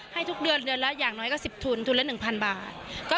ให้ทุกเดือนเดือนละอย่างน้อยก็๑๐ทุนทุนละ๑๐๐บาท